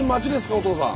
お父さん。